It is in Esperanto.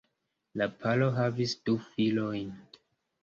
La paro havis du filojn.